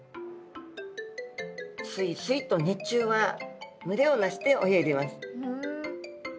スイスイと日中は群れを成して泳いでいます。